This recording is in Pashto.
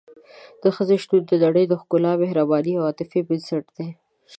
د ښځې شتون د نړۍ د ښکلا، مهربانۍ او عاطفې بنسټ دی.